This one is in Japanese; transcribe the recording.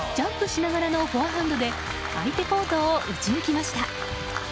ジャンプしながらのフォアハンドで相手コートを打ち抜きました。